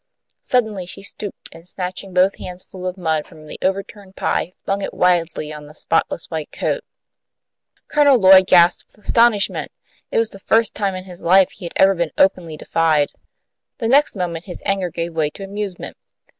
Suddenly she stooped, and snatching both hands full of mud from the overturned pie, flung it wildly over the spotless white coat. Colonel Lloyd gasped with astonishment. It was the first time in his life he had ever been openly defied. The next moment his anger gave way to amusement.